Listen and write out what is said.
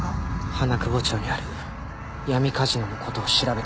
花久保町にある闇カジノの事を調べてほしい。